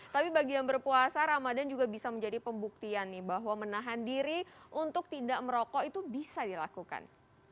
tapi bagi yang berpuasa ramadan juga bisa menjadi pembuktian nih bahwa menahan diri untuk tidak merokok itu bisa dilakukan